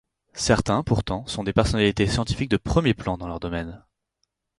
Certains pourtant sont des personnalités scientifiques de premier plan dans leur domaine.